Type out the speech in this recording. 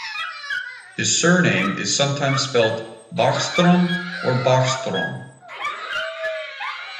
His surname is sometimes spelt Bachstroem or Bachstrohm.